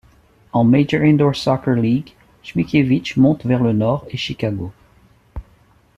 En Major Indoor Soccer League, Ćmikiewicz monte vers le nord et Chicago.